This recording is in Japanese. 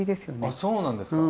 あそうなんですか。